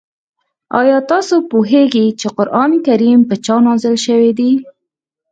آیا تاسو پوهېږئ چې قرآن کریم په چا نازل شوی دی؟